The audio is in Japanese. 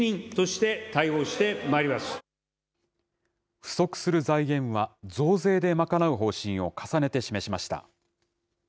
不足する財源は増税で賄う方針を重ねて示しました。